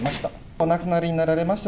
お亡くなりになられました